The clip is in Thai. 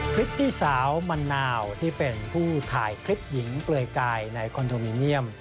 พริตตี้สาวมะนาวที่เป็นผู้ถ่ายคลิปหญิงเปลือยกายในคอนโดมิเนียม